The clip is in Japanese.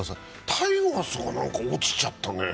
タイガースが落ちちゃったね。